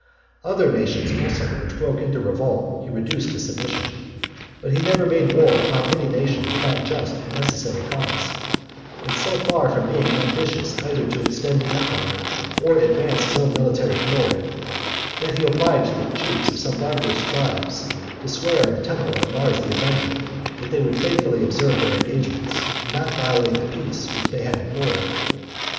Other nations also, which broke into revolt, he reduced to submission. But he never made war upon any nation without just and necessary cause; and was so far from being ambitious either to extend the empire, or advance his own military glory, that he obliged the chiefs of some barbarous tribes to swear in the temple of Mars the Avenger , that they would faithfully observe their engagements, and not violate the peace which they had implored.